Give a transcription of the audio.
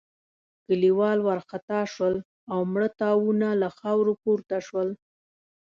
کليوال وارخطا شول او مړه تاوونه له خاورو پورته شول.